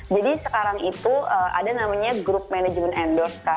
jadi sekarang itu ada namanya grup manajemen endorse